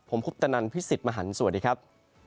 ผมคุปตนันพี่สิทธิ์มหันฯสวัสดีครับ